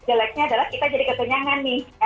jeleknya adalah kita jadi ketenyangan nih